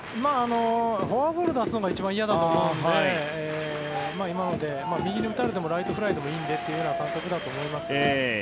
フォアボールを出すのが一番嫌だと思うので今ので、右に打たれてもライトフライでもいいという感覚だと思います。